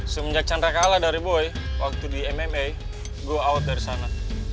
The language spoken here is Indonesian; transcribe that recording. semenjak chandra kalah dari boy waktu di mma gue out dari sana